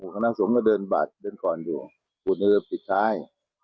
คณะสงฆ์ก็เดินบัดเพื่อนก่อนเลย